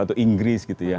atau inggris gitu ya